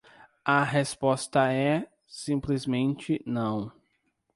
A resposta é: simplesmente não.